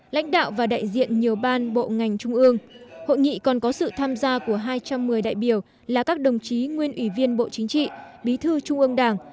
lãnh đạo và đại diện nhiều ban bộ ngành trung ương hội nghị còn có sự tham gia của hai trăm một mươi đại biểu là các đồng chí nguyên ủy viên bộ chính trị bí thư trung ương đảng